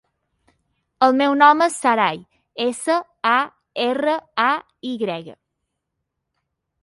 El meu nom és Saray: essa, a, erra, a, i grega.